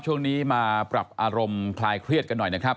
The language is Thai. ช่วงนี้มาปรับอารมณ์คลายเครียดกันหน่อยนะครับ